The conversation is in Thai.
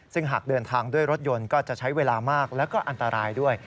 ซึ่งหากเดินทางด้วยรถยนต์ก็จะใช้เวลามากแล้วก็อันตรายด้วย